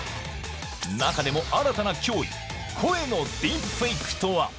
中でも新たな脅威、声のディープフェイクとは。